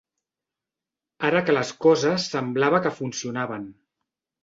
Ara que les coses semblava que funcionaven.